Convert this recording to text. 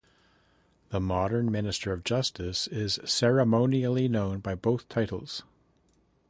The modern Minister of Justice is ceremonially known by both titles.